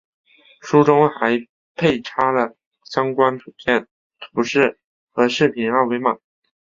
书中还配插了相关图片、图示和视频二维码